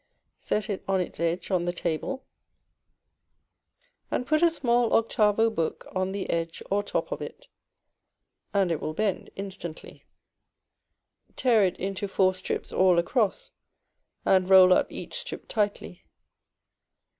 Set it on its edge on the table, and put a small octavo book on the edge or top of it, and it will bend instantly. Tear it into four strips all across, and roll up each strip tightly.